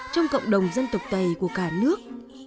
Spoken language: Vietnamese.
trong cộng đồng dân tộc tày của cả nước